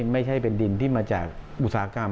ไม่ใช่เป็นดินที่มาจากอุตสาหกรรม